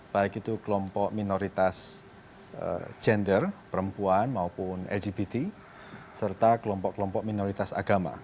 baik itu kelompok minoritas gender perempuan maupun lgbt serta kelompok kelompok minoritas agama